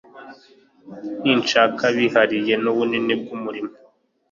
nishyaka bihariye n'ubunini bw'umurimo.